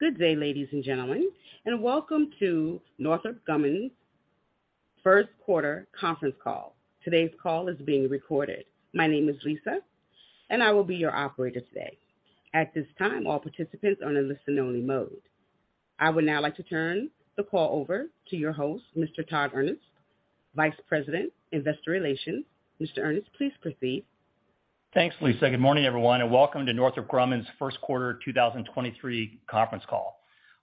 Good day, ladies and gentlemen, and welcome to Northrop Grumman's first quarter conference call. Today's call is being recorded. My name is Lisa, and I will be your operator today. At this time, all participants are in listen only mode. I would now like to turn the call over to your host, Mr. Todd Ernst, Vice President, Investor Relations. Mr. Ernst, please proceed. Thanks, Lisa. Good morning, everyone, welcome to Northrop Grumman's first quarter 2023 conference call.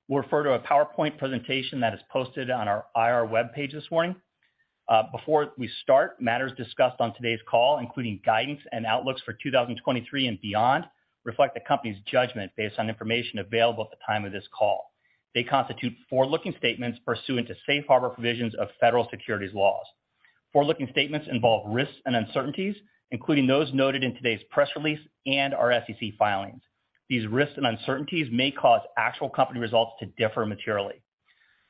We'll refer to a PowerPoint presentation that is posted on our IR web page this morning. Before we start, matters discussed on today's call, including guidance and outlooks for 2023 and beyond, reflect the company's judgment based on information available at the time of this call. They constitute forward-looking statements pursuant to safe harbor provisions of federal securities laws. Forward-looking statements involve risks and uncertainties, including those noted in today's press release and our SEC filings. These risks and uncertainties may cause actual company results to differ materially.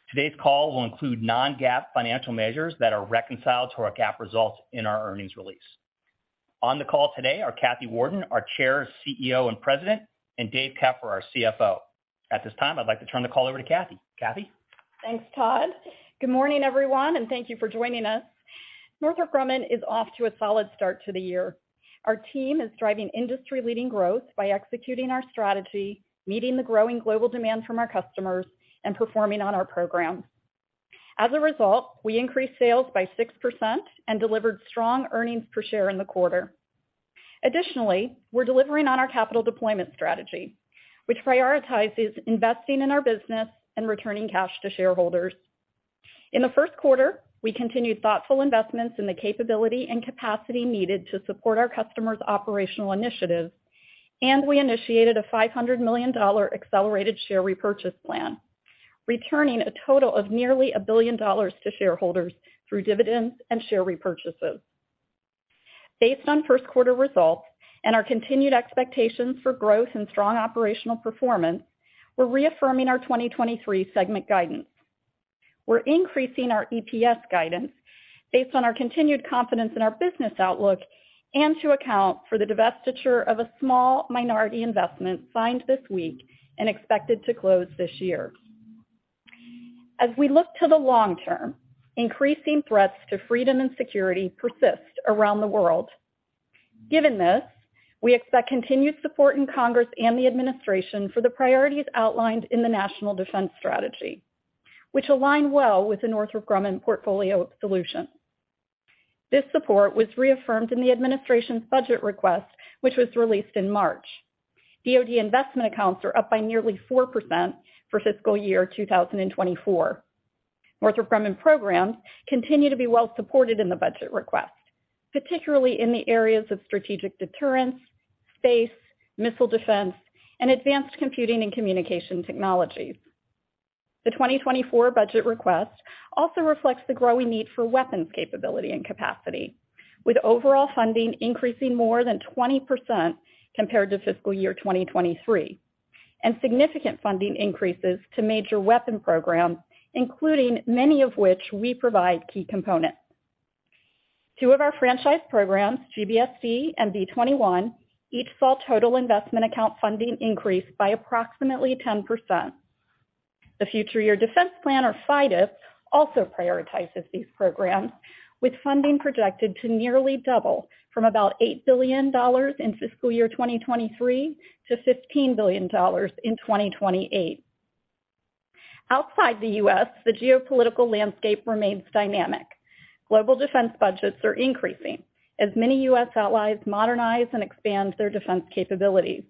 Today's call will include non-GAAP financial measures that are reconciled to our GAAP results in our earnings release. On the call today are Kathy Warden, our Chair, CEO and President, and Dave Keffer, our CFO. At this time, I'd like to turn the call over to Kathy. Kathy? Thanks, Todd. Good morning, everyone, and thank you for joining us. Northrop Grumman is off to a solid start to the year. Our team is driving industry-leading growth by executing our strategy, meeting the growing global demand from our customers, and performing on our programs. As a result, we increased sales by 6% and delivered strong earnings per share in the quarter. Additionally, we're delivering on our capital deployment strategy, which prioritizes investing in our business and returning cash to shareholders. In the first quarter, we continued thoughtful investments in the capability and capacity needed to support our customers' operational initiatives, and we initiated a $500 million accelerated share repurchase plan, returning a total of nearly $1 billion to shareholders through dividends and share repurchases. Based on first quarter results and our continued expectations for growth and strong operational performance, we're reaffirming our 2023 segment guidance. We're increasing our EPS guidance based on our continued confidence in our business outlook and to account for the divestiture of a small minority investment signed this week and expected to close this year. As we look to the long term, increasing threats to freedom and security persist around the world. Given this, we expect continued support in Congress and the administration for the priorities outlined in the National Defense Strategy, which align well with the Northrop Grumman portfolio of solutions. This support was reaffirmed in the administration's budget request, which was released in March. DoD investment accounts are up by nearly 4% for fiscal year 2024. Northrop Grumman programs continue to be well supported in the budget request, particularly in the areas of strategic deterrence, space, missile defense, and advanced computing and communication technologies. The 2024 budget request also reflects the growing need for weapons capability and capacity, with overall funding increasing more than 20% compared to fiscal year 2023, and significant funding increases to major weapon programs, including many of which we provide key components. Two of our franchise programs, GBSD and B-21, each saw total investment account funding increase by approximately 10%. The Future Years Defense Program, or FYDP, also prioritizes these programs, with funding projected to nearly double from about $8 billion in fiscal year 2023 to $15 billion in 2028. Outside the U.S., the geopolitical landscape remains dynamic. Global defense budgets are increasing as many U.S. allies modernize and expand their defense capabilities.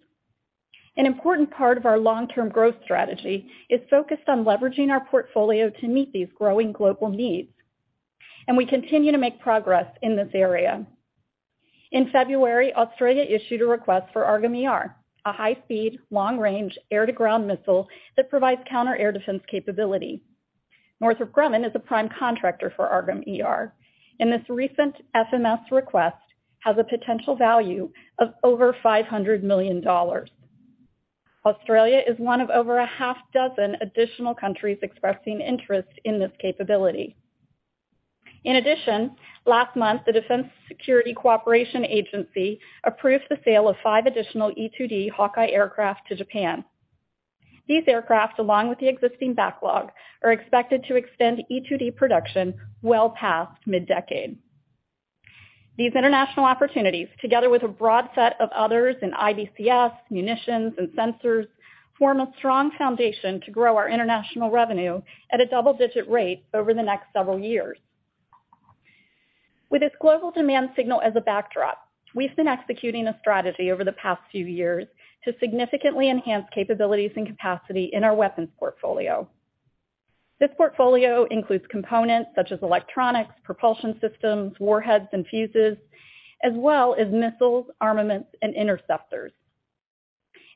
An important part of our long-term growth strategy is focused on leveraging our portfolio to meet these growing global needs, and we continue to make progress in this area. In February, Australia issued a request for AARGM-ER, a high-speed long-range air-to-ground missile that provides counter air defense capability. Northrop Grumman is a prime contractor for AARGM-ER, and this recent FMS request has a potential value of over $500 million. Australia is one of over a half dozen additional countries expressing interest in this capability. In addition, last month, the Defense Security Cooperation Agency approved the sale of five additional E-2D Hawkeye aircraft to Japan. These aircraft, along with the existing backlog, are expected to extend E-2D production well past mid-decade. These international opportunities, together with a broad set of others in IBCS, munitions and sensors, form a strong foundation to grow our international revenue at a double-digit rate over the next several years. With this global demand signal as a backdrop, we've been executing a strategy over the past few years to significantly enhance capabilities and capacity in our weapons portfolio. This portfolio includes components such as electronics, propulsion systems, warheads and fuses, as well as missiles, armaments and interceptors.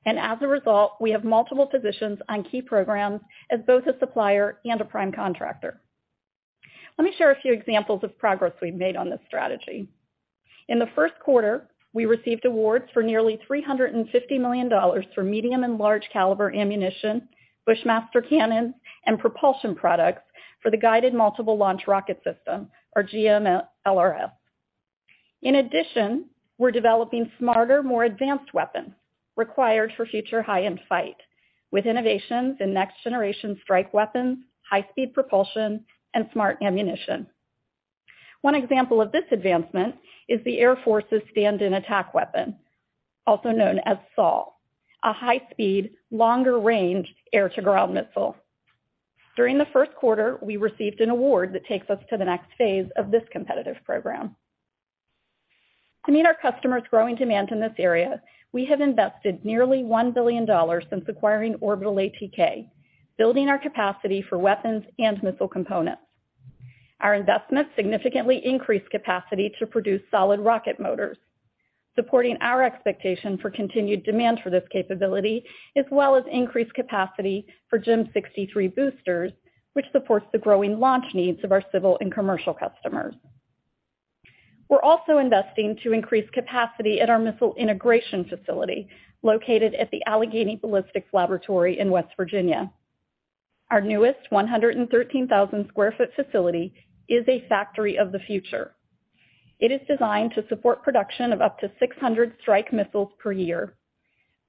As a result, we have multiple positions on key programs as both a supplier and a prime contractor. Let me share a few examples of progress we've made on this strategy. In the first quarter, we received awards for nearly $350 million for medium and large caliber ammunition, Bushmaster cannons, and propulsion products for the Guided Multiple Launch Rocket System, or GMLRS. In addition, we're developing smarter, more advanced weapons required for future high-end fight with innovations in next-generation strike weapons, high-speed propulsion, and smart ammunition. One example of this advancement is the Air Force's Stand-in Attack Weapon, also known as SiAW, a high-speed, longer-range air-to-ground missile. During the first quarter, we received an award that takes us to the next phase of this competitive program. To meet our customers' growing demand in this area, we have invested nearly $1 billion since acquiring Orbital ATK, building our capacity for weapons and missile components. Our investment significantly increased capacity to produce solid rocket motors, supporting our expectation for continued demand for this capability, as well as increased capacity for GEM 63 boosters, which supports the growing launch needs of our civil and commercial customers. We're also investing to increase capacity at our missile integration facility located at the Allegheny Ballistics Laboratory in West Virginia. Our newest 113,000 sq ft facility is a factory of the future. It is designed to support production of up to 600 strike missiles per year.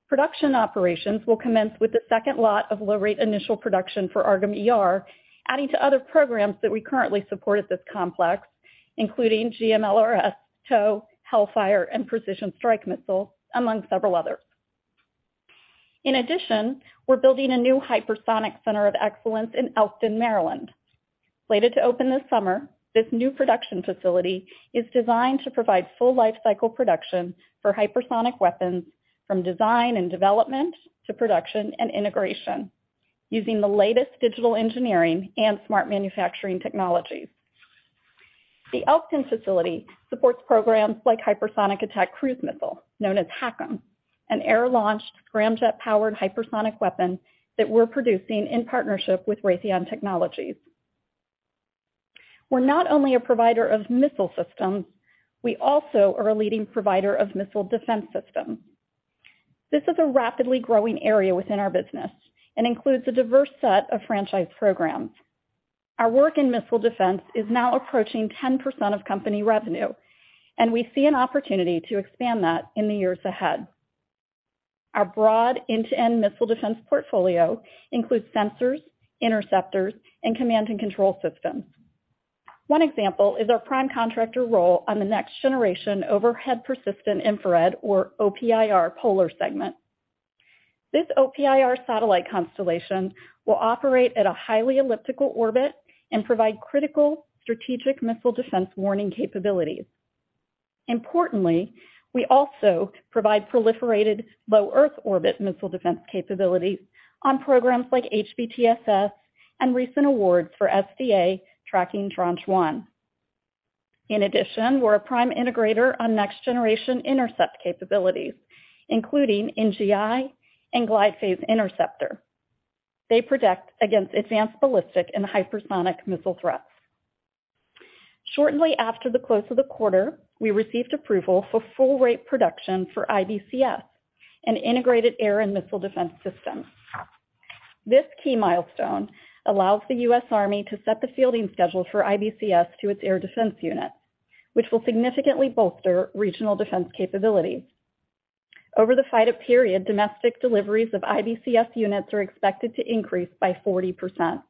Production operations will commence with the second lot of low rate initial production for AARGM-ER, adding to other programs that we currently support at this complex, including GMLRS, TOW, HELLFIRE, and Precision Strike Missile, among several others. In addition, we're building a new hypersonic center of excellence in Elkton, Maryland. Slated to open this summer, this new production facility is designed to provide full lifecycle production for hypersonic weapons from design and development to production and integration using the latest digital engineering and smart manufacturing technologies. The Elkton facility supports programs like Hypersonic Attack Cruise Missile, known as HACM, an air-launched scramjet-powered hypersonic weapon that we're producing in partnership with Raytheon Technologies. We're not only a provider of missile systems, we also are a leading provider of missile defense systems. This is a rapidly growing area within our business and includes a diverse set of franchise programs. Our work in missile defense is now approaching 10% of company revenue, and we see an opportunity to expand that in the years ahead. Our broad end-to-end missile defense portfolio includes sensors, interceptors, and command and control systems. One example is our prime contractor role on the next-generation Overhead Persistent Infrared, or OPIR, polar segment. This OPIR satellite constellation will operate at a highly elliptical orbit and provide critical strategic missile defense warning capabilities. We also provide proliferated low Earth orbit missile defense capabilities on programs like HBTSS and recent awards for SDA Tracking Tranche 1. We're a prime integrator on next-generation intercept capabilities, including NGI and Glide Phase Interceptor. They protect against advanced ballistic and hypersonic missile threats. Shortly after the close of the quarter, we received approval for Full Rate Production for IBCS, an integrated air and missile defense system. This key milestone allows the US Army to set the fielding schedule for IBCS to its air defense unit, which will significantly bolster regional defense capabilities. Over the FYDP period, domestic deliveries of IBCS units are expected to increase by 40%.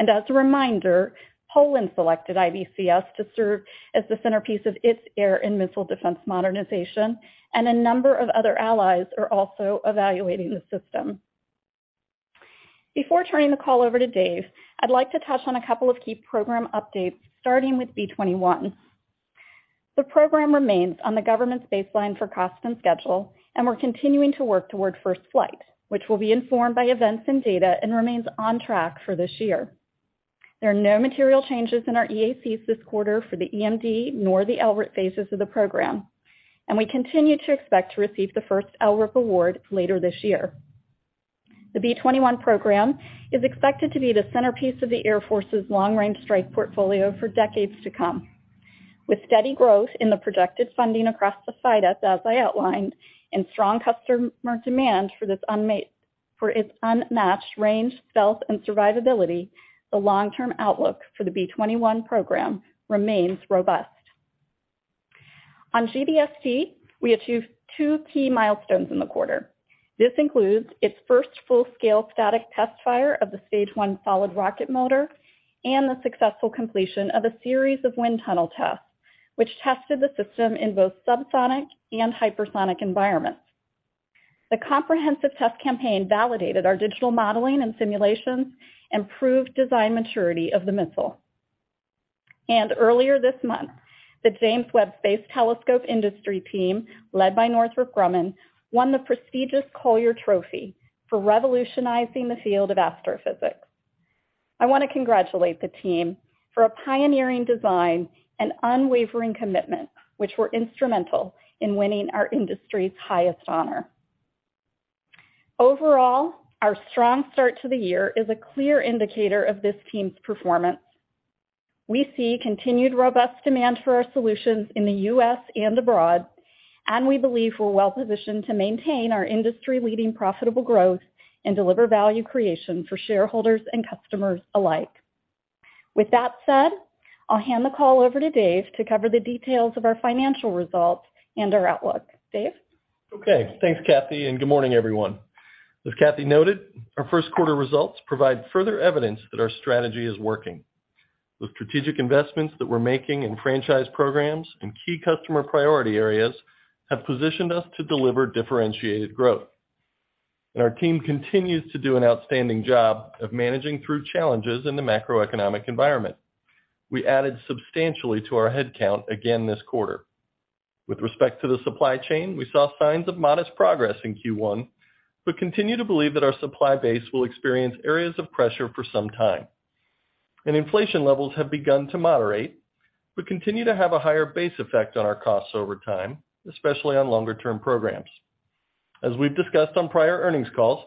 As a reminder, Poland selected IBCS to serve as the centerpiece of its air and missile defense modernization, and a number of other allies are also evaluating the system. Before turning the call over to Dave, I'd like to touch on a couple of key program updates, starting with B-21. The program remains on the government's baseline for cost and schedule, we're continuing to work toward first flight, which will be informed by events and data and remains on track for this year. There are no material changes in our EACs this quarter for the EMD nor the LRIP phases of the program, we continue to expect to receive the first LRIP award later this year. The B-21 program is expected to be the centerpiece of the Air Force's long-range strike portfolio for decades to come. With steady growth in the projected funding across the FYDP, as I outlined, and strong customer demand for its unmatched range, stealth, and survivability, the long-term outlook for the B-21 program remains robust. On GBSD, we achieved 2 key milestones in the quarter. This includes its first full-scale static test fire of the stage 1 solid rocket motor and the successful completion of a series of wind tunnel tests, which tested the system in both subsonic and hypersonic environments. The comprehensive test campaign validated our digital modeling and simulations and proved design maturity of the missile. Earlier this month, the James Webb Space Telescope industry team, led by Northrop Grumman, won the prestigious Collier Trophy for revolutionizing the field of astrophysics. I wanna congratulate the team for a pioneering design and unwavering commitment, which were instrumental in winning our industry's highest honor. Overall, our strong start to the year is a clear indicator of this team's performance. We see continued robust demand for our solutions in the U.S. and abroad, and we believe we're well-positioned to maintain our industry-leading profitable growth and deliver value creation for shareholders and customers alike. With that said, I'll hand the call over to Dave to cover the details of our financial results and our outlook. Dave? Okay. Thanks, Kathy. Good morning, everyone. As Kathy noted, our first quarter results provide further evidence that our strategy is working. The strategic investments that we're making in franchise programs and key customer priority areas have positioned us to deliver differentiated growth. Our team continues to do an outstanding job of managing through challenges in the macroeconomic environment. We added substantially to our headcount again this quarter. With respect to the supply chain, we saw signs of modest progress in Q1, but continue to believe that our supply base will experience areas of pressure for some time. Inflation levels have begun to moderate, but continue to have a higher base effect on our costs over time, especially on longer-term programs. As we've discussed on prior earnings calls,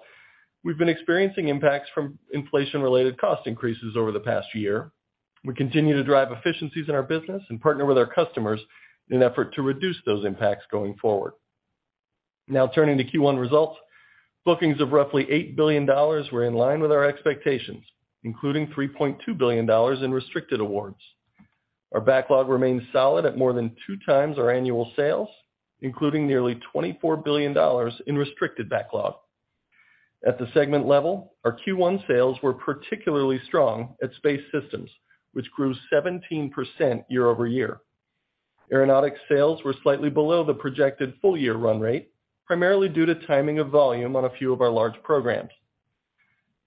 we've been experiencing impacts from inflation-related cost increases over the past year. We continue to drive efficiencies in our business and partner with our customers in an effort to reduce those impacts going forward. Turning to Q1 results. Bookings of roughly $8 billion were in line with our expectations, including $3.2 billion in restricted awards. Our backlog remains solid at more than 2 times our annual sales, including nearly $24 billion in restricted backlog. At the segment level, our Q1 sales were particularly strong at Space Systems, which grew 17% year-over-year. Aeronautics sales were slightly below the projected full-year run rate, primarily due to timing of volume on a few of our large programs.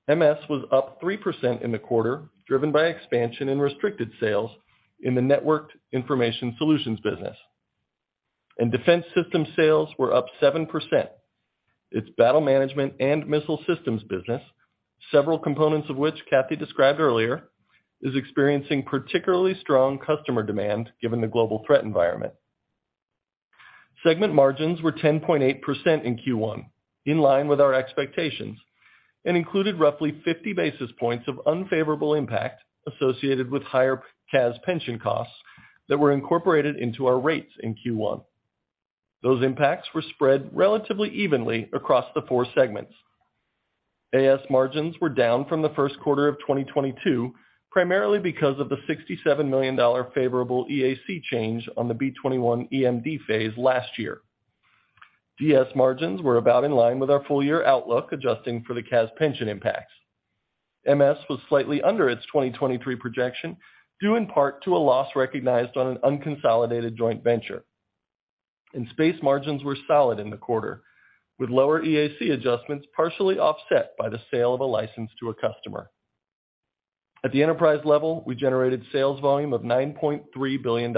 MS was up 3% in the quarter, driven by expansion in restricted sales in the Networked Information Solutions business. Defense Systems sales were up 7%. Its battle management and missile systems business, several components of which Kathy described earlier, is experiencing particularly strong customer demand given the global threat environment. Segment margins were 10.8% in Q1, in line with our expectations, and included roughly 50 basis points of unfavorable impact associated with higher CAS pension costs that were incorporated into our rates in Q1. Those impacts were spread relatively evenly across the four segments. AS margins were down from the first quarter of 2022, primarily because of the $67 million favorable EAC change on the B-21 EMD phase last year. DS margins were about in line with our full-year outlook, adjusting for the CAS pension impacts. MS was slightly under its 2023 projection, due in part to a loss recognized on an unconsolidated joint venture. Space margins were solid in the quarter, with lower EAC adjustments partially offset by the sale of a license to a customer. At the enterprise level, we generated sales volume of $9.3 billion,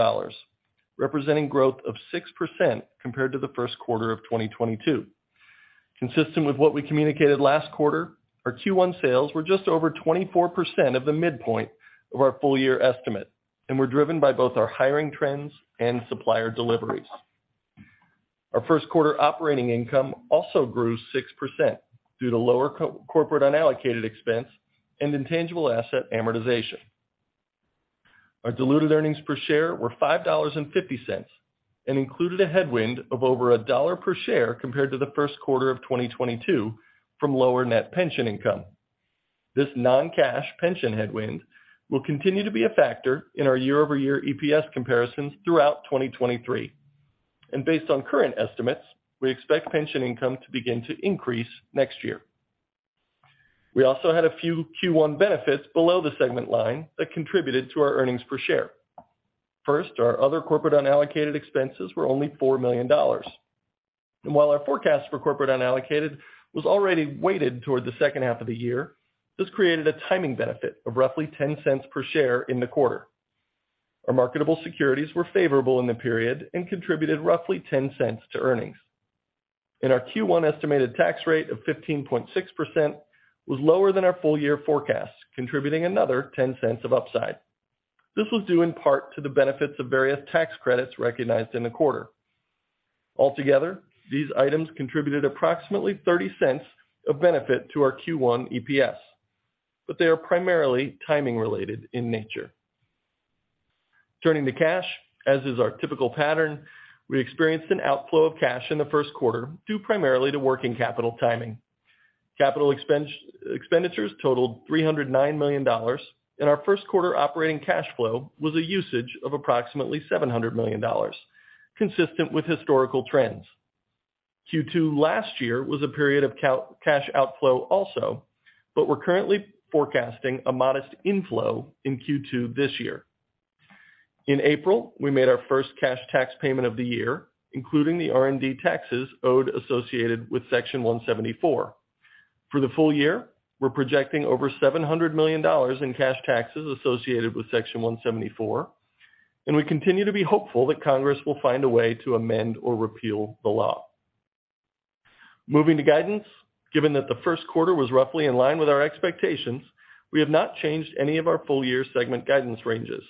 representing growth of 6% compared to the first quarter of 2022. Consistent with what we communicated last quarter, our Q1 sales were just over 24% of the midpoint of our full-year estimate and were driven by both our hiring trends and supplier deliveries. Our first quarter operating income also grew 6% due to lower co-corporate unallocated expense and intangible asset amortization. Our diluted earnings per share were $5.50 and included a headwind of over $1 per share compared to the first quarter of 2022 from lower net pension income. This non-cash pension headwind will continue to be a factor in our year-over-year EPS comparisons throughout 2023. Based on current estimates, we expect pension income to begin to increase next year. We also had a few Q1 benefits below the segment line that contributed to our earnings per share. First, our other corporate unallocated expenses were only $4 million. While our forecast for corporate unallocated was already weighted toward the second half of the year, this created a timing benefit of roughly $0.10 per share in the quarter. Our marketable securities were favorable in the period and contributed roughly $0.10 to earnings. Our Q1 estimated tax rate of 15.6% was lower than our full-year forecast, contributing another $0.10 of upside. This was due in part to the benefits of various tax credits recognized in the quarter. Altogether, these items contributed approximately $0.30 of benefit to our Q1 EPS, but they are primarily timing related in nature. Turning to cash, as is our typical pattern, we experienced an outflow of cash in the 1st quarter due primarily to working capital timing. Capital expenditures totaled $309 million, and our 1st quarter operating cash flow was a usage of approximately $700 million, consistent with historical trends. Q2 last year was a period of cash outflow also, but we're currently forecasting a modest inflow in Q2 this year. In April, we made our 1st cash tax payment of the year, including the R&D taxes owed associated with Section 174. For the full year, we're projecting over $700 million in cash taxes associated with Section 174. We continue to be hopeful that Congress will find a way to amend or repeal the law. Moving to guidance. Given that the first quarter was roughly in line with our expectations, we have not changed any of our full-year segment guidance ranges.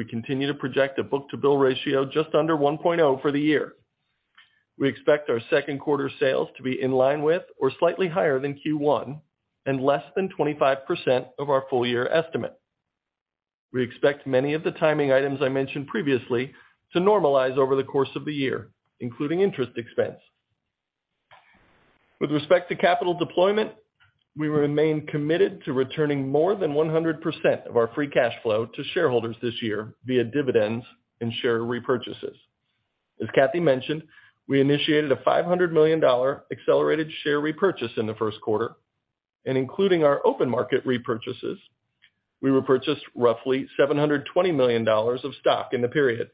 We continue to project a book-to-bill ratio just under 1.0 for the year. We expect our second quarter sales to be in line with or slightly higher than Q1 and less than 25% of our full-year estimate. We expect many of the timing items I mentioned previously to normalize over the course of the year, including interest expense. With respect to capital deployment, we remain committed to returning more than 100% of our free cash flow to shareholders this year via dividends and share repurchases. As Kathy mentioned, we initiated a $500 million accelerated share repurchase in the first quarter, and including our open market repurchases, we repurchased roughly $720 million of stock in the period.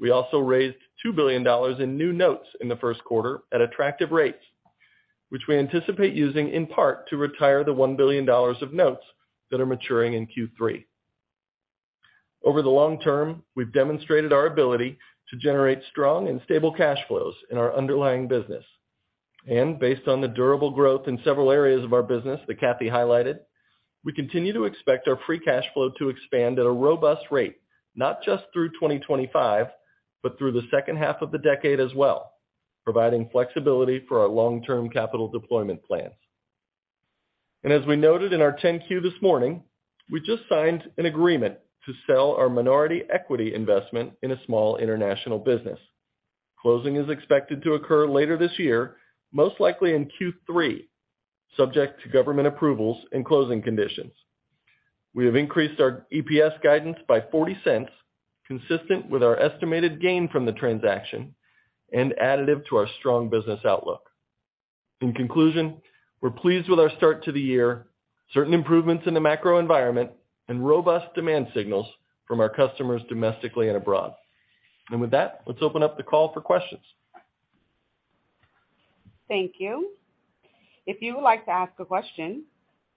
We also raised $2 billion in new notes in the first quarter at attractive rates, which we anticipate using in part to retire the $1 billion of notes that are maturing in Q3. Over the long term, we've demonstrated our ability to generate strong and stable cash flows in our underlying business. Based on the durable growth in several areas of our business that Kathy highlighted, we continue to expect our free cash flow to expand at a robust rate, not just through 2025, but through the second half of the decade as well, providing flexibility for our long-term capital deployment plans. As we noted in our 10-Q this morning, we just signed an agreement to sell our minority equity investment in a small international business. Closing is expected to occur later this year, most likely in Q3, subject to government approvals and closing conditions. We have increased our EPS guidance by $0.40, consistent with our estimated gain from the transaction and additive to our strong business outlook. In conclusion, we're pleased with our start to the year, certain improvements in the macro environment and robust demand signals from our customers domestically and abroad. With that, let's open up the call for questions. Thank you. If you would like to ask a question,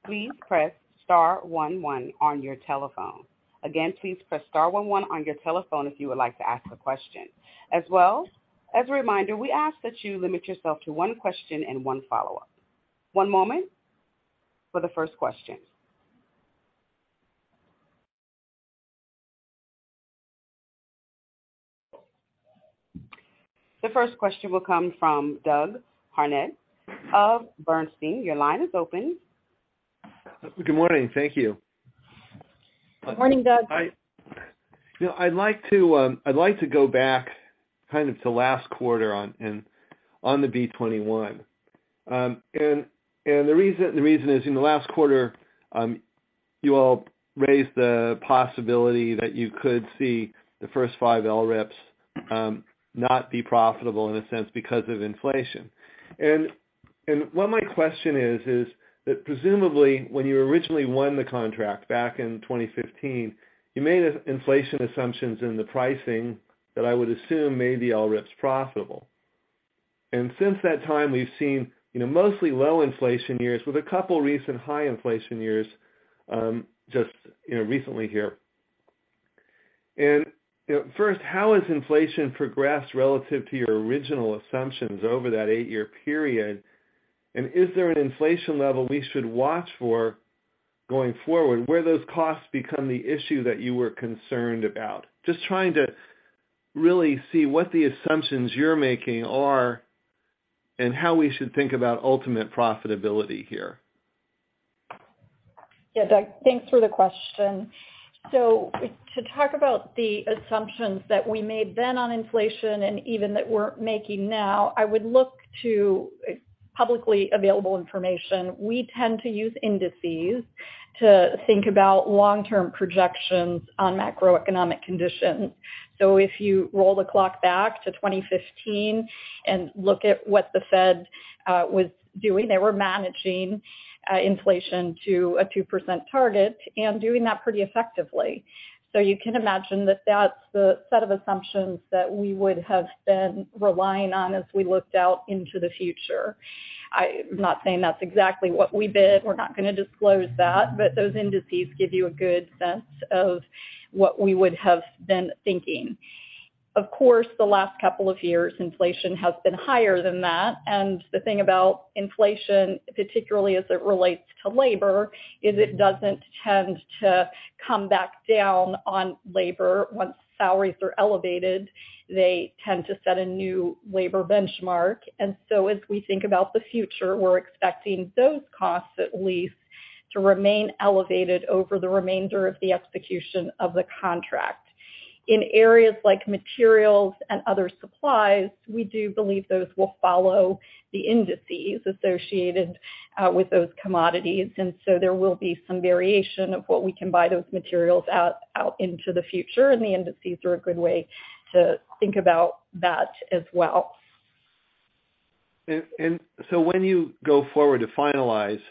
please press star one one on your telephone. Again, please press star one one on your telephone if you would like to ask a question. As a reminder, we ask that you limit yourself to one question and one follow-up. One moment for the first question. The first question will come from Doug Harned of Bernstein. Your line is open. Good morning. Thank you. Good morning, Doug. I, you know, I'd like to, I'd like to go back kind of to last quarter on, and on the B-21. The reason is in the last quarter, you all raised the possibility that you could see the first five LRIPs not be profitable in a sense because of inflation. What my question is that presumably when you originally won the contract back in 2015, you made inflation assumptions in the pricing that I would assume made the LRIPs profitable. Since that time, we've seen, you know, mostly low inflation years with a couple recent high inflation years, just, you know, recently here. First, how has inflation progressed relative to your original assumptions over that eight-year period? Is there an inflation level we should watch for going forward, where those costs become the issue that you were concerned about? Just trying to really see what the assumptions you're making are and how we should think about ultimate profitability here. Yeah, Doug, thanks for the question. To talk about the assumptions that we made then on inflation and even that we're making now, I would look to publicly available information. We tend to use indices to think about long-term projections on macroeconomic conditions. If you roll the clock back to 2015 and look at what the Fed was doing, they were managing inflation to a 2% target and doing that pretty effectively. You can imagine that that's the set of assumptions that we would have been relying on as we looked out into the future. I'm not saying that's exactly what we bid. We're not going to disclose that, but those indices give you a good sense of what we would have been thinking. Of course, the last couple of years, inflation has been higher than that. The thing about inflation, particularly as it relates to labor, is it doesn't tend to come back down on labor. Once salaries are elevated, they tend to set a new labor benchmark. As we think about the future, we're expecting those costs at least to remain elevated over the remainder of the execution of the contract. In areas like materials and other supplies, we do believe those will follow the indices associated with those commodities. There will be some variation of what we can buy those materials out into the future. The indices are a good way to think about that as well. When you go forward to finalize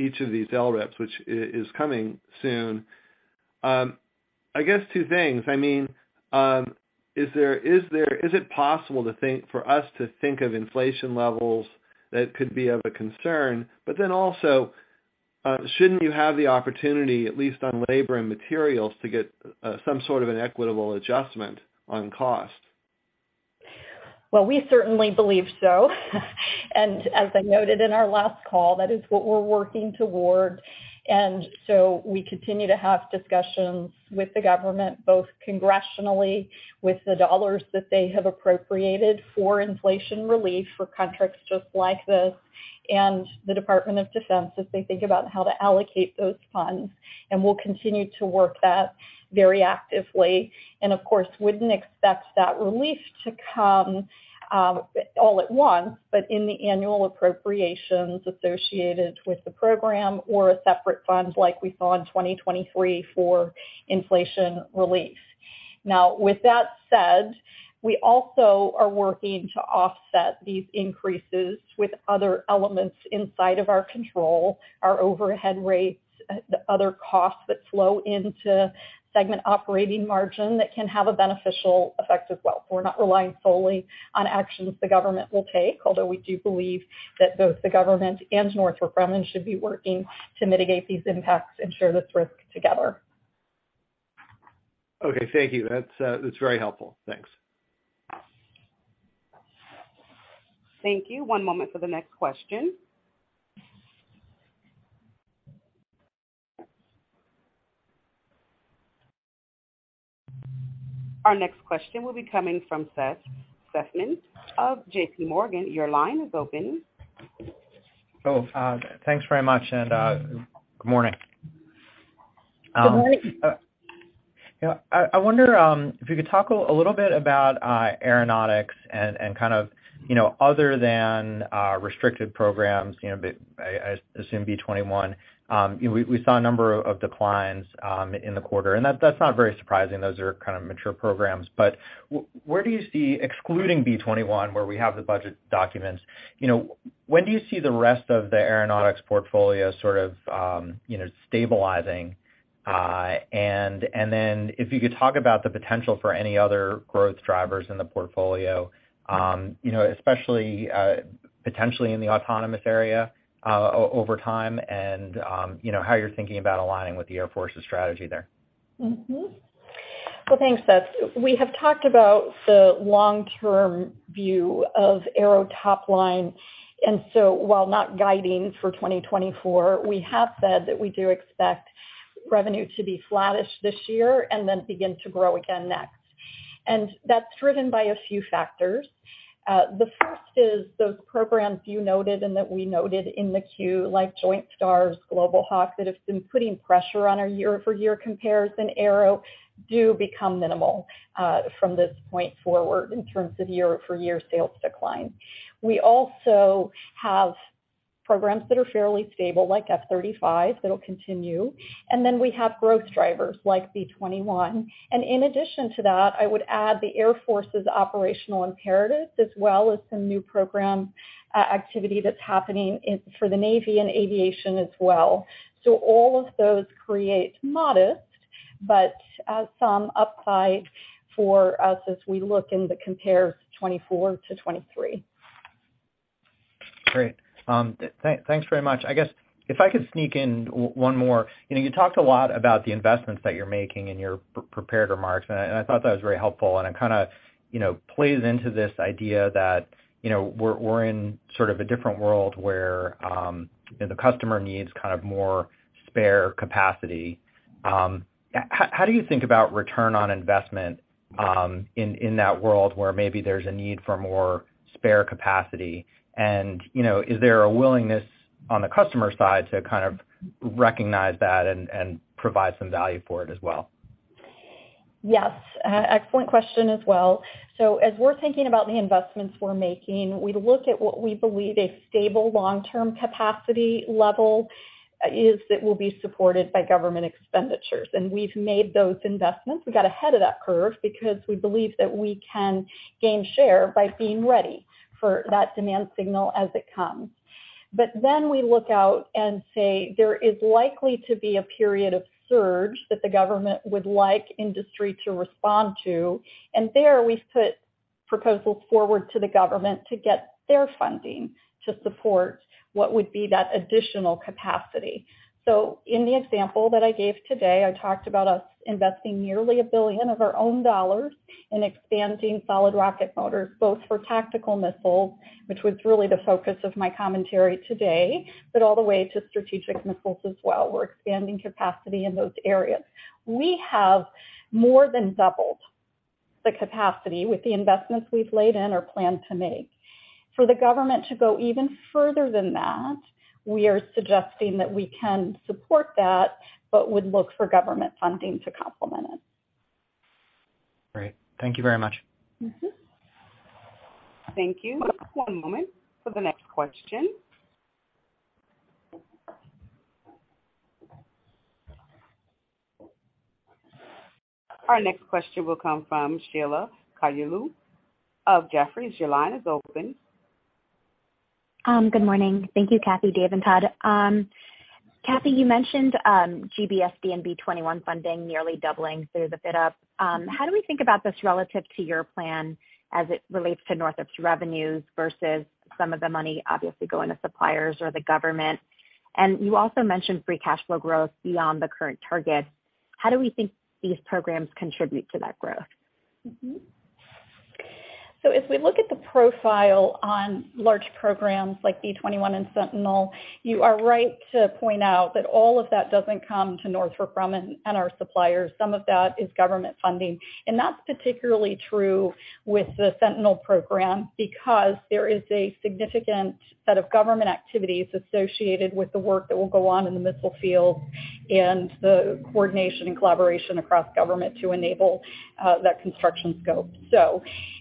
each of these LRIPs, which is coming soon, I guess two things. I mean, is it possible to think, for us to think of inflation levels that could be of a concern, also, shouldn't you have the opportunity, at least on labor and materials, to get some sort of an equitable adjustment on cost? Well, we certainly believe so. As I noted in our last call, that is what we're working toward. We continue to have discussions with the government, both congressionally with the dollars that they have appropriated for inflation relief for contracts just like this. The Department of Defense, as they think about how to allocate those funds, and we'll continue to work that very actively. Of course, wouldn't expect that relief to come all at once, but in the annual appropriations associated with the program or a separate fund like we saw in 2023 for inflation relief. With that said, we also are working to offset these increases with other elements inside of our control, our overhead rates, the other costs that flow into segment operating margin that can have a beneficial effect as well. We're not relying solely on actions the government will take, although we do believe that both the government and Northrop Grumman should be working to mitigate these impacts and share this risk together. Okay. Thank you. That's very helpful. Thanks. Thank you. One moment for the next question. Our next question will be coming from Seth Seifman of J.P. Morgan. Your line is open. Oh, thanks very much, and good morning. Good morning. You know, I wonder, if you could talk a little bit about aeronautics and kind of, you know, other than restricted programs, you know, I assume B-21, you know, we saw a number of declines in the quarter, and that's not very surprising. Those are kind of mature programs. Where do you see, excluding B-21, where we have the budget documents, you know, when do you see the rest of the aeronautics portfolio sort of, you know, stabilizing? Then if you could talk about the potential for any other growth drivers in the portfolio, you know, especially, potentially in the autonomous area, over time and, you know, how you're thinking about aligning with the Air Force's strategy there. Well, thanks, Seth. We have talked about the long-term view of aero top line, while not guiding for 2024, we have said that we do expect revenue to be flattish this year and then begin to grow again next. That's driven by a few factors. The first is those programs you noted and that we noted in the 10-Q, like Joint STARS, Global Hawk, that have been putting pressure on our year-over-year comparison aero do become minimal from this point forward in terms of year-over-year sales decline. We also have programs that are fairly stable, like F-35, that'll continue. We have growth drivers like B-21. In addition to that, I would add the Air Force's operational imperatives as well as some new program activity that's happening for the Navy and aviation as well. All of those create modest but, some upside for us as we look in the compare 24 to 23. Great. thanks very much. I guess if I could sneak in one more. You know, you talked a lot about the investments that you're making in your prepared remarks, and I thought that was very helpful. It kind of, you know, plays into this idea that, you know, we're in sort of a different world where, you know, the customer needs kind of more spare capacity. How do you think about return on investment in that world where maybe there's a need for more spare capacity? You know, is there a willingness on the customer side to kind of recognize that and provide some value for it as well? Yes. excellent question as well. As we're thinking about the investments we're making, we look at what we believe a stable long-term capacity level is that will be supported by government expenditures. We've made those investments. We got ahead of that curve because we believe that we can gain share by being ready for that demand signal as it comes. We look out and say, there is likely to be a period of surge that the government would like industry to respond to. There we've put proposals forward to the government to get their funding to support what would be that additional capacity. In the example that I gave today, I talked about us investing nearly $1 billion of our own dollars in expanding solid rocket motors, both for tactical missiles, which was really the focus of my commentary today, but all the way to strategic missiles as well. We're expanding capacity in those areas. We have more than doubled the capacity with the investments we've laid in or plan to make. For the government to go even further than that, we are suggesting that we can support that, but would look for government funding to complement it. Great. Thank you very much. Thank you. One moment for the next question. Our next question will come from Sheila Kahyaoglu of Jefferies. Your line is open. Good morning. Thank you, Kathy, Dave, and Todd. Kathy, you mentioned GBSD and B-21 funding nearly doubling through the FYDP. How do we think about this relative to your plan as it relates to Northrop's revenues versus some of the money obviously going to suppliers or the government? You also mentioned free cash flow growth beyond the current target. How do we think these programs contribute to that growth? If we look at the profile on large programs like B-21 and Sentinel, you are right to point out that all of that doesn't come to Northrop Grumman and our suppliers. Some of that is government funding, and that's particularly true with the Sentinel program because there is a significant set of government activities associated with the work that will go on in the missile field and the coordination and collaboration across government to enable that construction scope.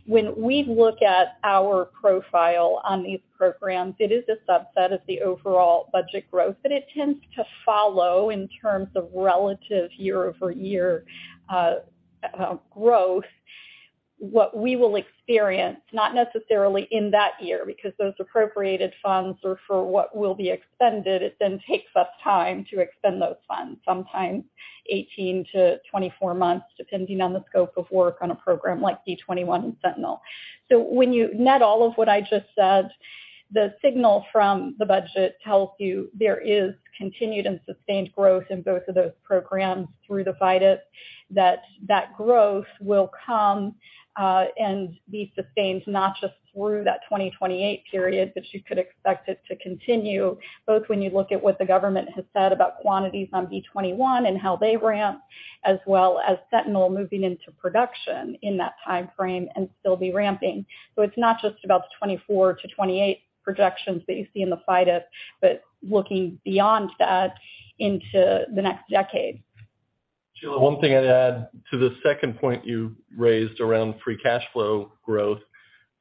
When we look at our profile on these programs, it is a subset of the overall budget growth, but it tends to follow in terms of relative year-over-year growth, what we will experience, not necessarily in that year, because those appropriated funds are for what will be expended. It takes us time to expend those funds, sometimes 18 to 24 months, depending on the scope of work on a program like B-21 and Sentinel. When you net all of what I just said, the signal from the budget tells you there is continued and sustained growth in both of those programs through the FYDP, that growth will come and be sustained not just through that 2028 period, but you could expect it to continue both when you look at what the government has said about quantities on B-21 and how they ramp, as well as Sentinel moving into production in that timeframe and still be ramping. It's not just about the 2024 to 2028 projections that you see in the FYDP, but looking beyond that into the next decade. Sheila, one thing I'd add to the second point you raised around free cash flow growth.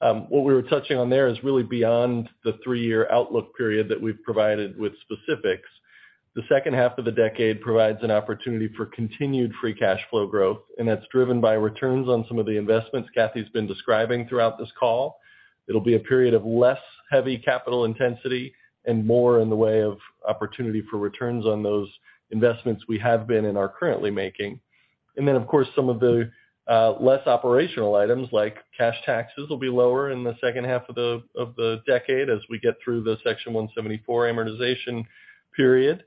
What we were touching on there is really beyond the three-year outlook period that we've provided with specifics. The second half of the decade provides an opportunity for continued free cash flow growth, and that's driven by returns on some of the investments Kathy's been describing throughout this call. It'll be a period of less heavy capital intensity and more in the way of opportunity for returns on those investments we have been and are currently making. And then, of course, some of the less operational items like cash taxes will be lower in the second half of the decade as we get through the Section 174 amortization period.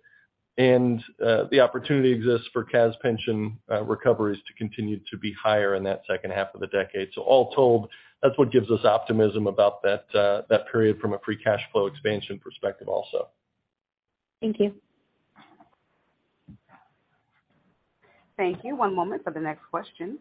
The opportunity exists for CAS pension recoveries to continue to be higher in that second half of the decade. All told, that's what gives us optimism about that period from a free cash flow expansion perspective also. Thank you. Thank you. One moment for the next question.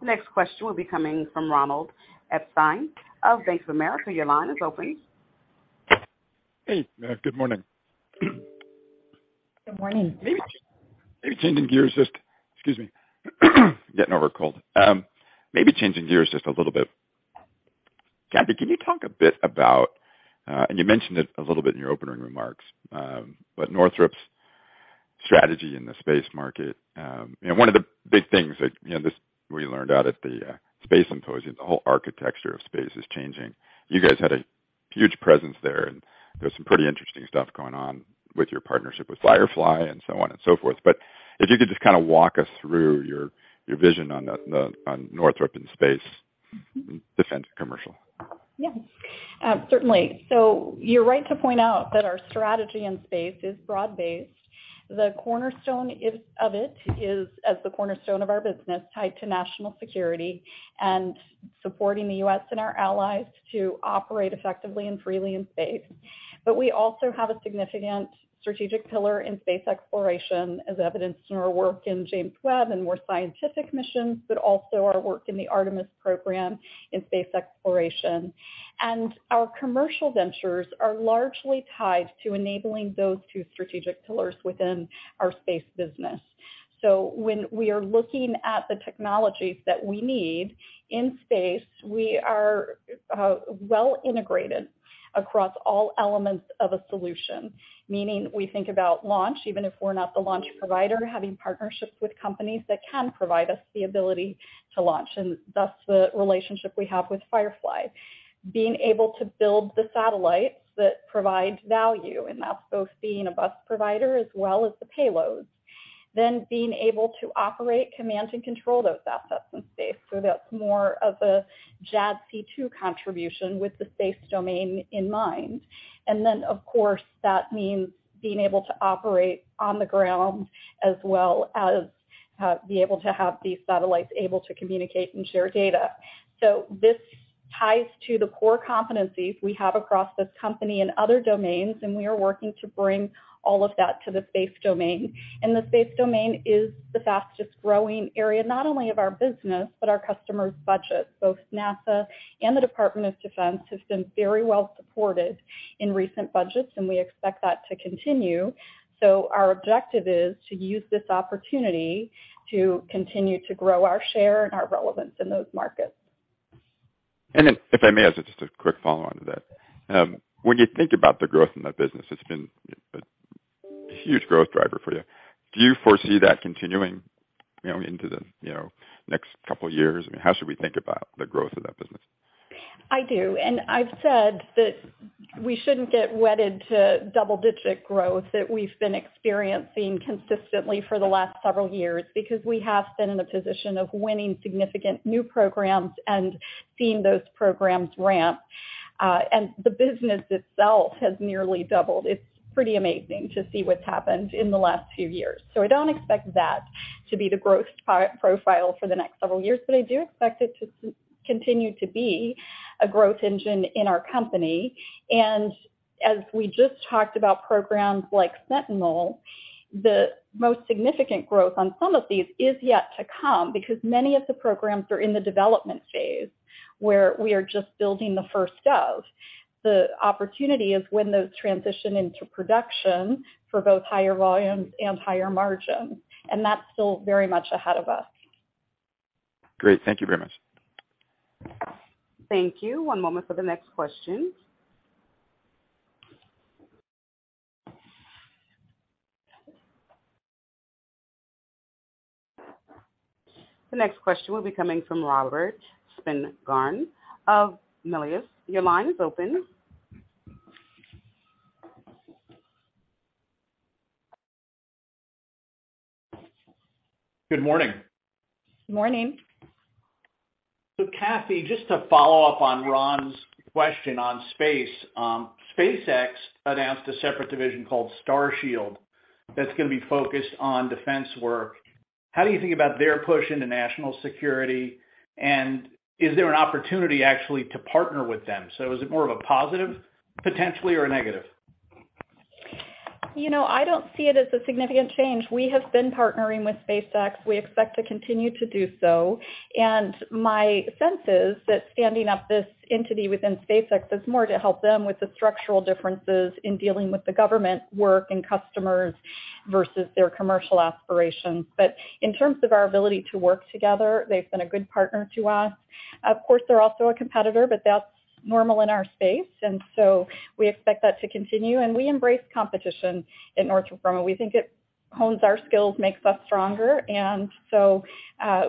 The next question will be coming from Sheila Kahyaoglu of Jefferies Your line is open. Hey, good morning. Good morning. Maybe changing gears just excuse me, getting over a cold. Maybe changing gears just a little bit. Kathy, can you talk a bit about, and you mentioned it a little bit in your opening remarks, but Northrop's strategy in the space market. You know, one of the big things that, you know, this we learned out at the Space Symposium, the whole architecture of space is changing. You guys had a huge presence there, and there's some pretty interesting stuff going on with your partnership with Firefly and so on and so forth. If you could just kind of walk us through your vision on the, on Northrop in space, defense or commercial? Certainly. You're right to point out that our strategy in space is broad-based. The cornerstone of it is, as the cornerstone of our business, tied to national security and supporting the U.S. and our allies to operate effectively and freely in space. We also have a significant strategic pillar in space exploration, as evidenced in our work in James Webb and more scientific missions, but also our work in the Artemis program in space exploration. Our commercial ventures are largely tied to enabling those two strategic pillars within our space business. When we are looking at the technologies that we need in space, we are well integrated across all elements of a solution, meaning we think about launch, even if we're not the launch provider, having partnerships with companies that can provide us the ability to launch. Thus the relationship we have with Firefly. Being able to build the satellites that provide value, and that's both being a bus provider as well as the payloads. Being able to operate, command, and control those assets in space so that's more of a JADC2 contribution with the space domain in mind. Of course, that means being able to operate on the ground as well as be able to have these satellites able to communicate and share data. This ties to the core competencies we have across this company and other domains, and we are working to bring all of that to the space domain. The space domain is the fastest-growing area, not only of our business, but our customers' budget. Both NASA and the Department of Defense have been very well supported in recent budgets, and we expect that to continue. Our objective is to use this opportunity to continue to grow our share and our relevance in those markets. If I may, as just a quick follow-on to that. When you think about the growth in that business, it's been a huge growth driver for you. Do you foresee that continuing, you know, into the, you know, next couple of years? I mean, how should we think about the growth of that business? I do. I've said that we shouldn't get wedded to double-digit growth that we've been experiencing consistently for the last several years because we have been in the position of winning significant new programs and seeing those programs ramp. The business itself has nearly doubled. It's pretty amazing to see what's happened in the last few years. I don't expect that to be the growth profile for the next several years, but I do expect it to continue to be a growth engine in our company. As we just talked about programs like Sentinel, the most significant growth on some of these is yet to come because many of the programs are in the development phase, where we are just building the first of. The opportunity is when those transition into production for both higher volumes and higher margins. That's still very much ahead of us. Great. Thank you very much. Thank you. One moment for the next question. The next question will be coming from Robert Spingarn of Melius Research. Your line is open. Good morning. Morning. Kathy, just to follow up on Ron's question on space. SpaceX announced a separate division called Starshield that's gonna be focused on defense work. How do you think about their push into national security? Is there an opportunity actually to partner with them? Is it more of a positive potentially or a negative? You know, I don't see it as a significant change. We have been partnering with SpaceX. We expect to continue to do so. My sense is that standing up this entity within SpaceX is more to help them with the structural differences in dealing with the government work and customers versus their commercial aspirations. In terms of our ability to work together, they've been a good partner to us. Of course, they're also a competitor, but that's normal in our space. We expect that to continue. We embrace competition at Northrop Grumman. We think it hones our skills, makes us stronger.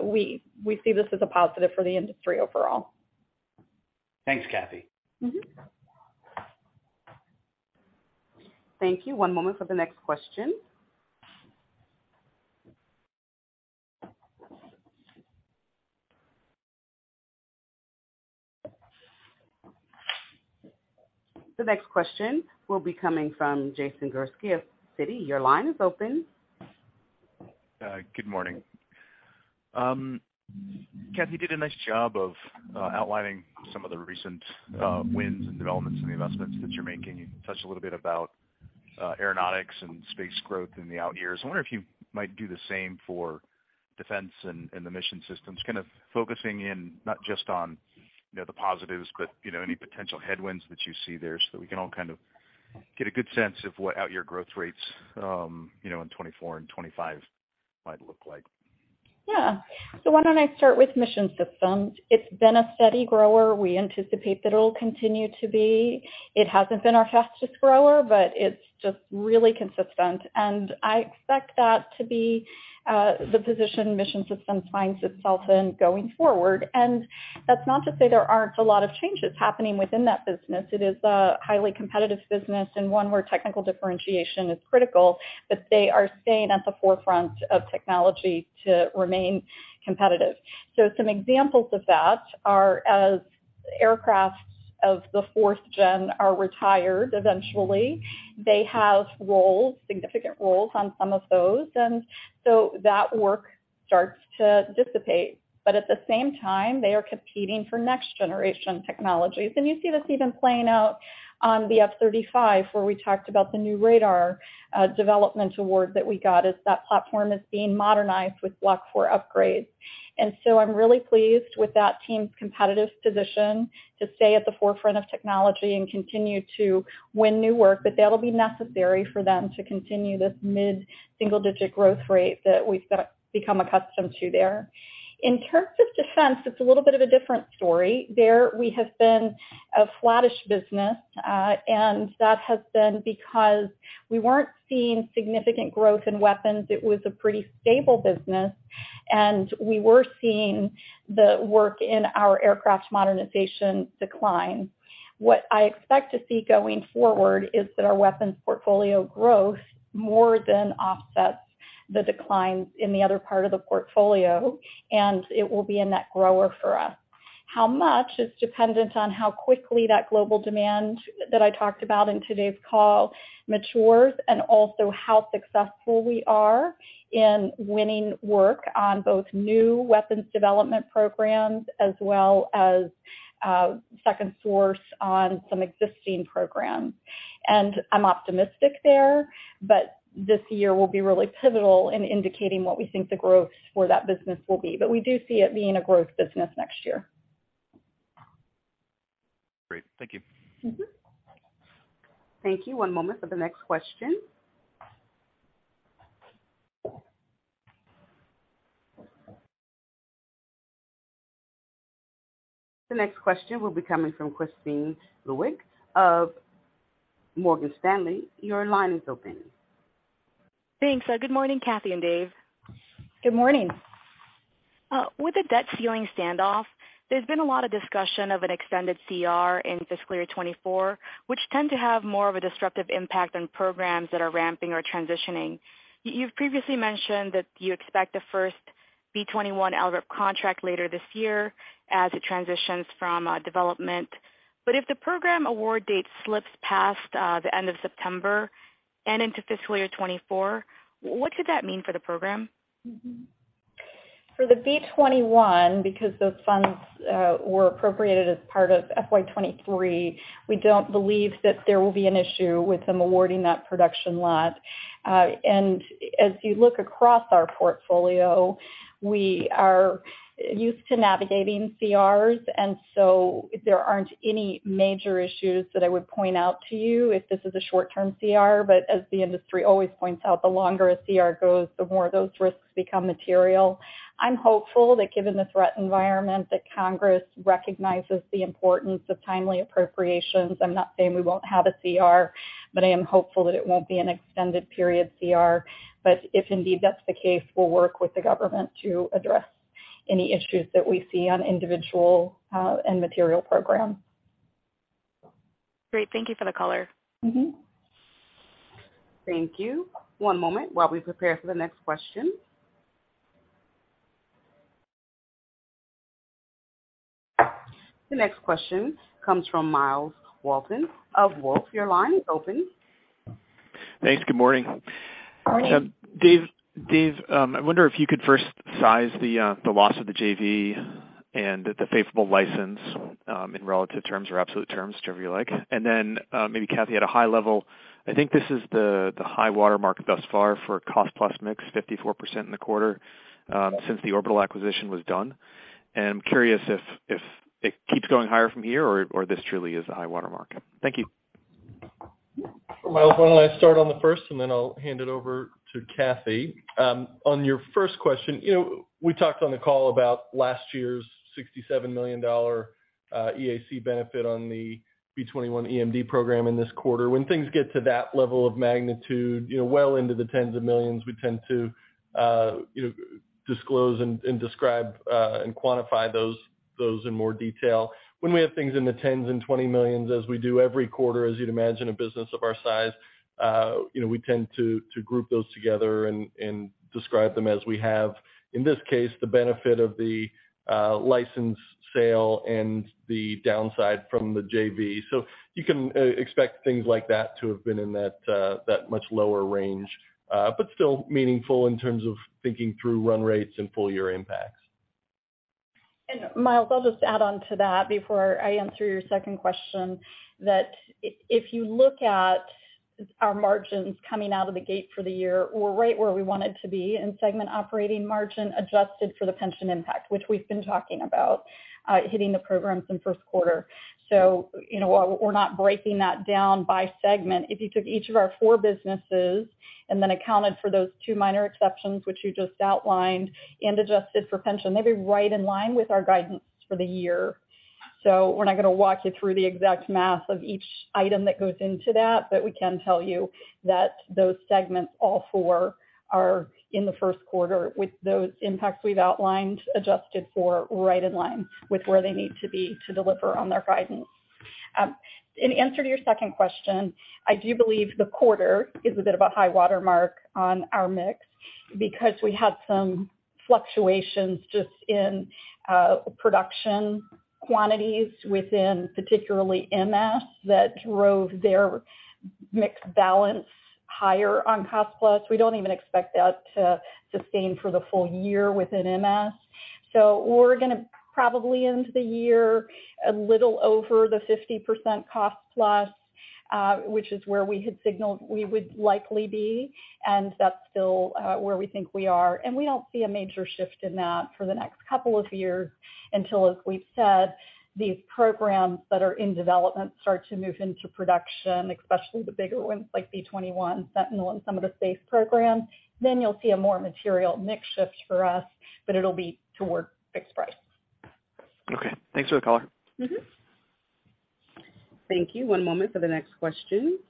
We see this as a positive for the industry overall. Thanks, Kathy. Thank you. One moment for the next question. The next question will be coming from Jason Gursky of Citi. Your line is open. Good morning. Kathy, you did a nice job of outlining some of the recent wins and developments in the investments that you're making. You touched a little bit about Aeronautics and Space growth in the out years. I wonder if you might do the same for Defense and the Mission Systems, kind of focusing in not just on, you know, the positives, but, you know, any potential headwinds that you see there so that we can all kind of get a good sense of what out year growth rates, you know, in 2024 and 2025 might look like. Yeah. Why don't I start with Mission Systems. It's been a steady grower. We anticipate that it'll continue to be. It hasn't been our fastest grower, but it's just really consistent. I expect that to be the position Mission Systems finds itself in going forward. That's not to say there aren't a lot of changes happening within that business. It is a highly competitive business and one where technical differentiation is critical, but they are staying at the forefront of technology to remain competitive. Some examples of that are as aircraft of the 4th-gen are retired eventually, they have roles, significant roles on some of those, that work starts to dissipate. At the same time, they are competing for next-generation technologies. You see this even playing out on the F-35, where we talked about the new radar, development award that we got as that platform is being modernized with Block 4 upgrades. So I'm really pleased with that team's competitive position to stay at the forefront of technology and continue to win new work, but that'll be necessary for them to continue this mid-single digit growth rate that we've got become accustomed to there. In terms of defense, it's a little bit of a different story. There we have been a flattish business, and that has been because we weren't seeing significant growth in weapons. It was a pretty stable business, and we were seeing the work in our aircraft modernization decline. What I expect to see going forward is that our weapons portfolio growth more than offsets the declines in the other part of the portfolio, and it will be a net grower for us. How much is dependent on how quickly that global demand that I talked about in today's call matures and also how successful we are in winning work on both new weapons development programs as well as, second source on some existing programs. I'm optimistic there, but this year will be really pivotal in indicating what we think the growth for that business will be. We do see it being a growth business next year. Great. Thank you. Thank you. One moment for the next question. The next question will be coming from Kristine Liwag of Morgan Stanley. Your line is open. Thanks. good morning, Kathy and Dave. Good morning. With the debt ceiling standoff, there's been a lot of discussion of an extended CR in fiscal year 2024, which tend to have more of a disruptive impact on programs that are ramping or transitioning. You've previously mentioned that you expect the first B-21 LRIP contract later this year as it transitions from development. If the program award date slips past the end of September and into fiscal year 2024, what could that mean for the program? For the B-21, because those funds were appropriated as part of FY 23, we don't believe that there will be an issue with them awarding that production lot. As you look across our portfolio, we are used to navigating CRs. There aren't any major issues that I would point out to you if this is a short-term CR. As the industry always points out, the longer a CR goes, the more those risks become material. I'm hopeful that given the threat environment, that Congress recognizes the importance of timely appropriations. I'm not saying we won't have a CR, but I am hopeful that it won't be an extended period CR. If indeed that's the case, we'll work with the government to address any issues that we see on individual and material programs. Great. Thank you for the color. Thank you. One moment while we prepare for the next question. The next question comes from Myles Walton of Wolfe. Your line is open. Thanks. Good morning. Morning. Dave, I wonder if you could first size the loss of the JV and the favorable license in relative terms or absolute terms, whichever you like. Then, maybe Kathy, at a high level, I think this is the high water mark thus far for cost plus mix, 54% in the quarter, since the Orbital acquisition was done. I'm curious if it keeps going higher from here or this truly is a high water mark. Thank you. Myles, why don't I start on the first, and then I'll hand it over to Kathy. On your first question, you know, we talked on the call about last year's $67 million EAC benefit on the B-21 EMD program in this quarter. When things get to that level of magnitude, you know, well into the tens of millions, we tend to, you know, disclose and describe and quantify those in more detail. When we have things in the tens and 20 millions as we do every quarter, as you'd imagine, a business of our size, you know, we tend to group those together and describe them as we have. In this case, the benefit of the license sale and the downside from the JV. You can expect things like that to have been in that much lower range, but still meaningful in terms of thinking through run rates and full year impacts. Myles, I'll just add on to that before I answer your second question, that if you look at our margins coming out of the gate for the year, we're right where we wanted to be in segment operating margin, adjusted for the pension impact, which we've been talking about, hitting the programs in 1st quarter. You know, while we're not breaking that down by segment, if you took each of our 4 businesses and then accounted for those two minor exceptions, which you just outlined, and adjusted for pension, they'd be right in line with our guidance for the year. We're not gonna walk you through the exact math of each item that goes into that, but we can tell you that those segments, all 4, are in the first quarter with those impacts we've outlined, adjusted for, right in line with where they need to be to deliver on their guidance. In answer to your second question, I do believe the quarter is a bit of a high watermark on our mix because we had some fluctuations just in production quantities within particularly MS that drove their mix balance higher on cost plus. We don't even expect that to sustain for the full year within MS. We're gonna probably end the year a little over the 50% cost plus, which is where we had signaled we would likely be, and that's still where we think we are. We don't see a major shift in that for the next couple of years until, as we've said, these programs that are in development start to move into production, especially the bigger ones like B-21, Sentinel, and some of the Space programs. You'll see a more material mix shift for us, but it'll be towards fixed price. Okay. Thanks for the color. Thank you. One moment for the next question.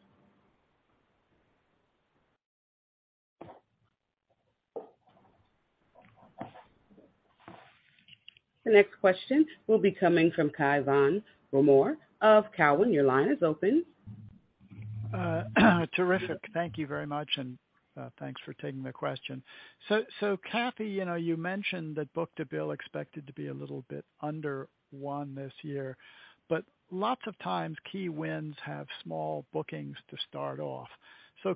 The next question will be coming from Cai von Rumohr of Cowen. Your line is open. Terrific. Thank you very much, and thanks for taking the question. Kathy, you know, you mentioned that book-to-bill expected to be a little bit under 1 this year. Lots of times, key wins have small bookings to start off.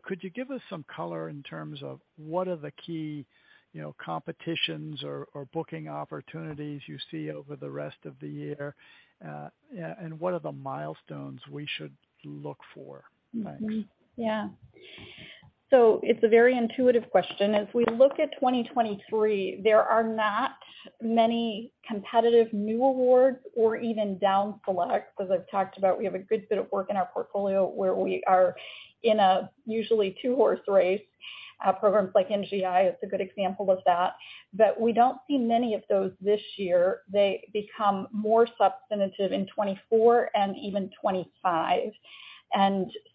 Could you give us some color in terms of what are the key, you know, competitions or booking opportunities you see over the rest of the year? What are the milestones we should look for? Thanks. Yeah. It's a very intuitive question. As we look at 2023, there are not many competitive new awards or even down selects. As I've talked about, we have a good bit of work in our portfolio where we are in a usually two-horse race. Programs like NGI is a good example of that. We don't see many of those this year. They become more substantive in 2024 and even 2025.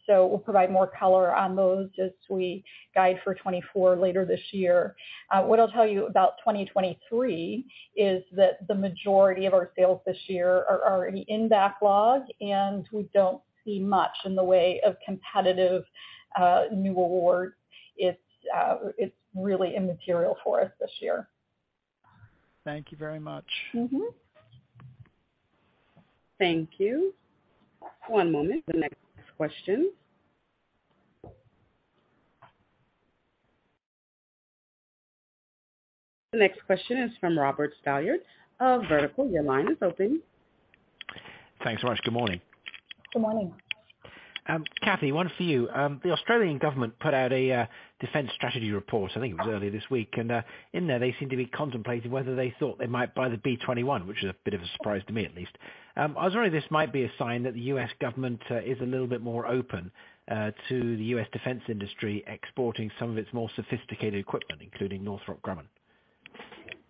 We'll provide more color on those as we guide for 2024 later this year. What I'll tell you about 2023 is that the majority of our sales this year are in backlog, and we don't see much in the way of competitive new awards. It's really immaterial for us this year. Thank you very much. Thank you. One moment. The next question. The next question is from Robert Stallard of Vertical. Your line is open. Thanks so much. Good morning. Good morning. Kathy, one for you. The Australian government put out a defense strategy report, I think it was earlier this week. In there they seem to be contemplating whether they thought they might buy the B-21, which is a bit of a surprise to me, at least. I was wondering if this might be a sign that the U.S. government is a little bit more open to the U.S. defense industry exporting some of its more sophisticated equipment, including Northrop Grumman.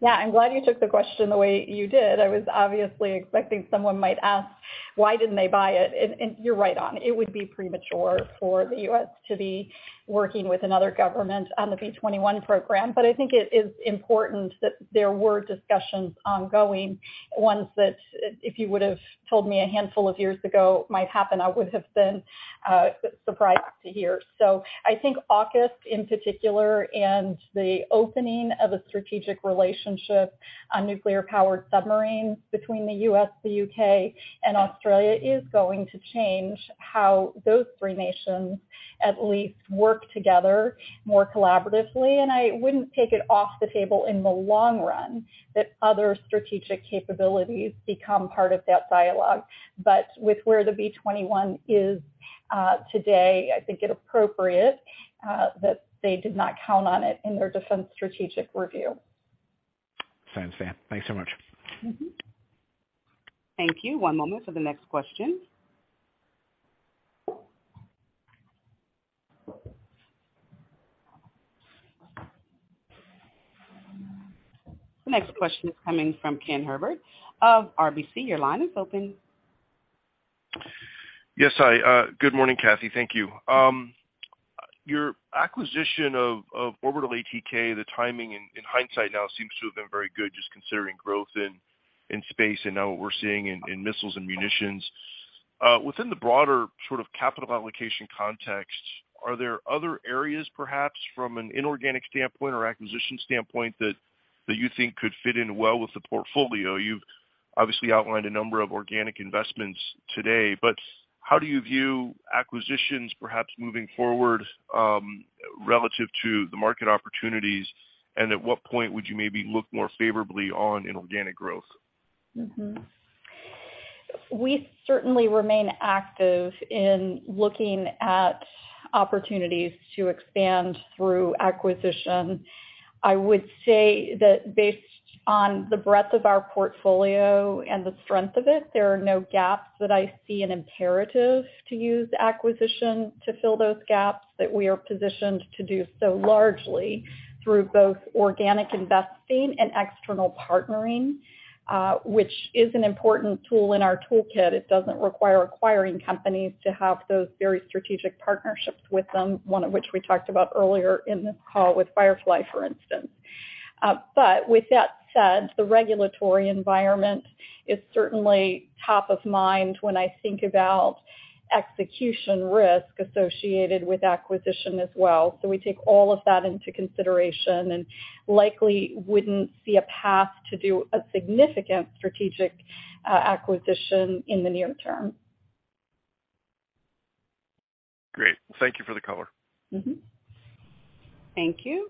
Yeah. I'm glad you took the question the way you did. I was obviously expecting someone might ask, why didn't they buy it? You're right on. It would be premature for the U.S. to be working with another government on the B-21 program. I think it is important that there were discussions ongoing, ones that if you would've told me a handful of years ago might happen, I would have been surprised to hear. I think AUKUS in particular, and the opening of a strategic relationship on nuclear powered submarines between the U.S., the U.K., and Australia is going to change how those three nations at least work together more collaboratively. I wouldn't take it off the table in the long run that other strategic capabilities become part of that dialogue. With where the B-21 is today, I think it appropriate that they did not count on it in their defense strategic review. Thanks. Thanks so much. Thank you. One moment for the next question. The next question is coming from Ken Herbert of RBC. Your line is open. Yes. Hi. Good morning, Kathy. Thank you. Your acquisition of Orbital ATK, the timing in hindsight now seems to have been very good, just considering growth in space and now what we're seeing in missiles and munitions. Within the broader sort of capital allocation context, are there other areas perhaps from an inorganic standpoint or acquisition standpoint that you think could fit in well with the portfolio? You've obviously outlined a number of organic investments today, but how do you view acquisitions perhaps moving forward, relative to the market opportunities, and at what point would you maybe look more favorably on inorganic growth? We certainly remain active in looking at opportunities to expand through acquisition. I would say that based on the breadth of our portfolio and the strength of it, there are no gaps that I see an imperative to use acquisition to fill those gaps, that we are positioned to do so largely through both organic investing and external partnering, which is an important tool in our toolkit. It doesn't require acquiring companies to have those very strategic partnerships with them, one of which we talked about earlier in this call with Firefly, for instance. With that said, the regulatory environment is certainly top of mind when I think about execution risk associated with acquisition as well. We take all of that into consideration and likely wouldn't see a path to do a significant strategic acquisition in the near term. Great. Thank you for the color. Thank you.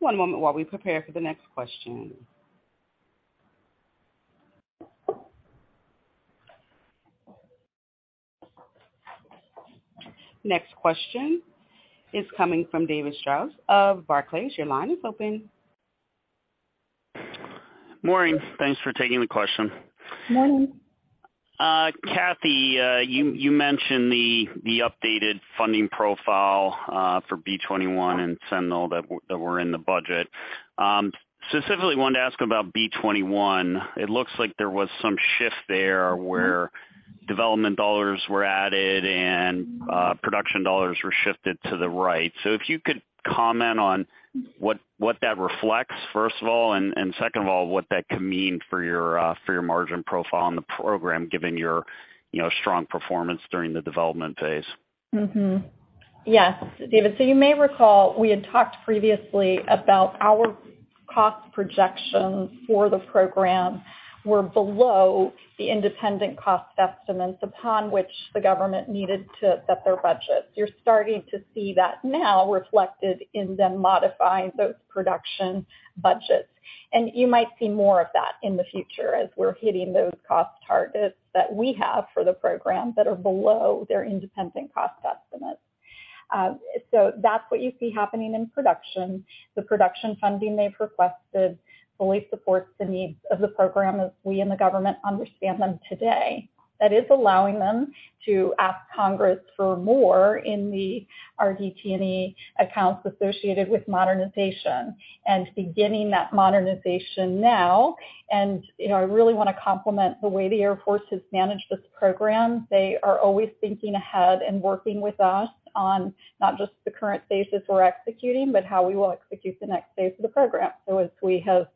One moment while we prepare for the next question. Next question is coming from David Strauss of Barclays. Your line is open. Morning. Thanks for taking the question. Morning. Kathy, you mentioned the updated funding profile for B-21 and Sentinel that were in the budget. Specifically wanted to ask about B-21. It looks like there was some shift there where development $ were added and production $ were shifted to the right. If you could comment on what that reflects, first of all, and second of all, what that could mean for your margin profile on the program, given your, you know, strong performance during the development phase? Yes, David. You may recall we had talked previously about our cost projections for the program were below the independent cost estimates upon which the government needed to set their budget. You're starting to see that now reflected in them modifying those production budgets. You might see more of that in the future as we're hitting those cost targets that we have for the program that are below their independent cost estimates. That's what you see happening in production. The production funding they've requested fully supports the needs of the program as we in the government understand them today. That is allowing them to ask Congress for more in the RDT&E accounts associated with modernization. Beginning that modernization now, and, you know, I really wanna compliment the way the Air Force has managed this program. They are always thinking ahead and working with us on not just the current phases we're executing, but how we will execute the next phase of the program. As we have,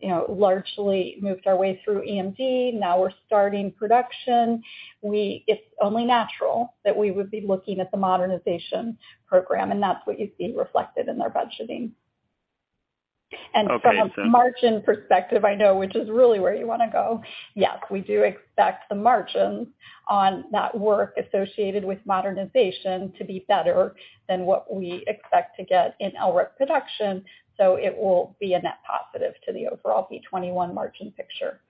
you know, largely moved our way through EMD, now we're starting production, it's only natural that we would be looking at the modernization program, and that's what you see reflected in their budgeting. From a margin perspective, I know which is really where you wanna go. Yes, we do expect the margins on that work associated with modernization to be better than what we expect to get in LRIP production. So it will be a net positive to the overall B-21 margin picture.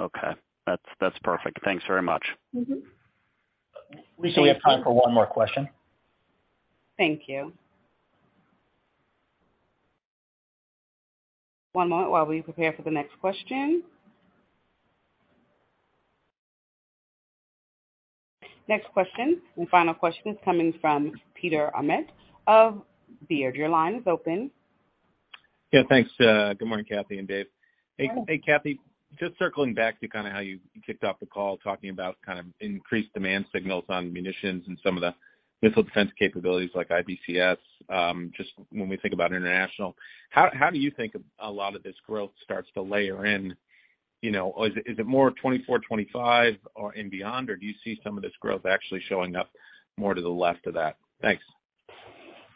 Okay. That's perfect. Thanks very much. We still have time for one more question. Thank you. One moment while we prepare for the next question. Next question and final question is coming from Peter Arment of Baird. Your line is open. Yeah, thanks. Good morning, Kathy and Dave. Hello. Hey, hey, Kathy. Just circling back to kinda how you kicked off the call, talking about kind of increased demand signals on munitions and some of the missile defense capabilities like IBCS. Just when we think about international, how do you think a lot of this growth starts to layer in, you know? Is it more of 2024, 2025 or, and beyond? Or do you see some of this growth actually showing up more to the left of that? Thanks.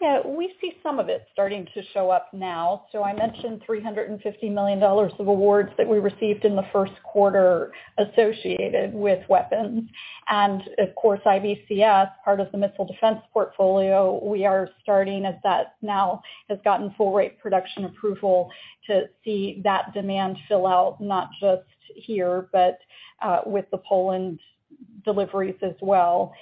Yeah. We see some of it starting to show up now. I mentioned $350 million of awards that we received in the first quarter associated with weapons. Of course, IBCS, part of the missile defense portfolio, we are starting as that now has gotten Full Rate Production approval to see that demand fill out, not just here, but with the Poland deliveries as well.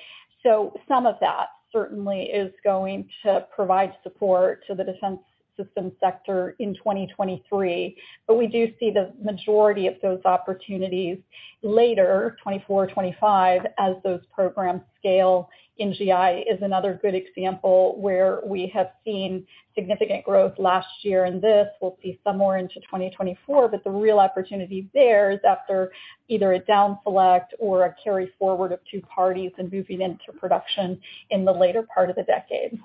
Some of that certainly is going to provide support to the Defense Systems sector in 2023. We do see the majority of those opportunities later, 2024, 2025, as those programs scale. NGI is another good example where we have seen significant growth last year. This will be somewhere into 2024. The real opportunity there is after either a down select or a carry forward of 2 parties and moving into production in the later part of the decade.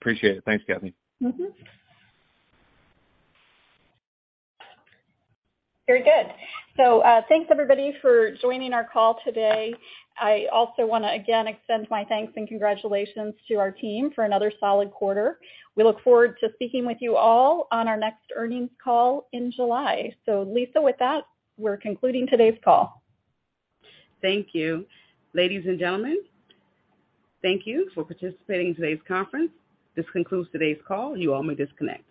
Appreciate it. Thanks, Kathy. Very good. Thanks everybody for joining our call today. I also wanna, again, extend my thanks and congratulations to our team for another solid quarter. We look forward to speaking with you all on our next earnings call in July. Lisa, with that, we're concluding today's call. Thank you. Ladies and gentlemen, thank you for participating in today's conference. This concludes today's call. You all may disconnect.